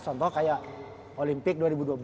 contoh kayak olimpik dua ribu dua belas